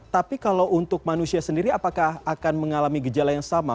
tapi kalau untuk manusia sendiri apakah akan mengalami gejala yang sama